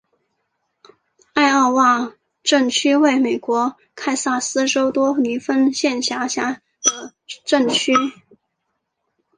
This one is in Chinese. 艾奥瓦镇区为美国堪萨斯州多尼芬县辖下的镇区。